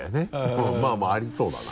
うんまぁまぁありそうだな。